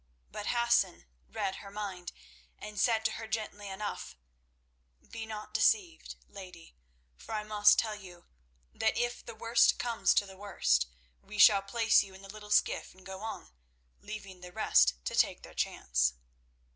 But Hassan read her mind, and said to her gently enough: "Be not deceived, lady, for I must tell you that if the worst comes to the worst, we shall place you in the little skiff and go on, leaving the rest to take their chance."